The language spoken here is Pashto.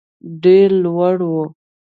ډېر لوړ وو.